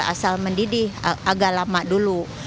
kita harus asal mendidih agak lama dulu